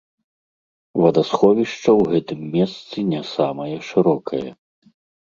Вадасховішча ў гэтым месцы не самае шырокае.